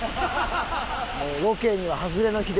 もうロケには外れの日で。